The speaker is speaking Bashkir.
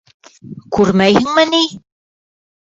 Күрмәйһеңме ни?